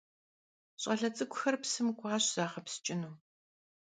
Ş'ale ts'ık'uxzr psım k'uaş zağepsç'ınu.